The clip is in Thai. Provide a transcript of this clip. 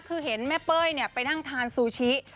คือเห็นแม่เปรย์เนี่ยไปนั่งทานซูชิ